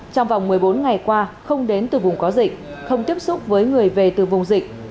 trong vòng một mươi bốn ngày qua không đến từ vùng có dịch không tiếp xúc với người về từ vùng dịch